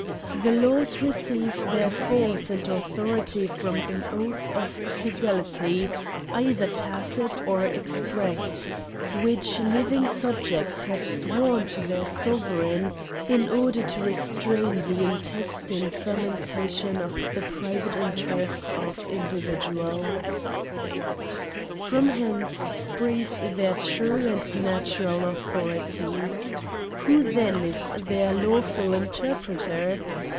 The laws receive their force and authority from an oath of fidelity, either tacit or expressed, which living subjects have sworn to their sovereign, in order to restrain the intestine fermentation of the private interest of individuals. From hence springs their true and natural authority. Who then is their lawful interpreter?